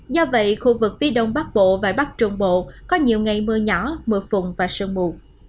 do vậy khu vực phía đông bắc bộ và bắc trung bộ có nhiều ngày mưa nhỏ mưa phùn và sương mù